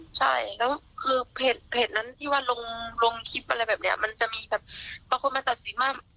อืมคือเผตนั้นที่ว่าลงคลิปอะไรแบบเนี้ยมันจะมีกับบางคนมาศักดิ์สิงความอืม